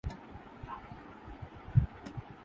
مگر جب یہاں کے لوگوں سے ملاقات ہوئی